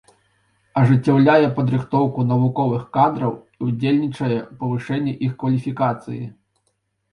Ажыццяўляе падрыхтоўку навуковых кадраў і ўдзельнічае ў павышэнні іх кваліфікацыі.